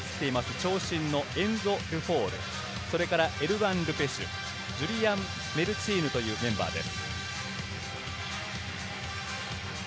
長身のエンゾ・ルフォール、それからエルワン・ル・ペシュ、ジュリアン・メルティヌというメンバーです。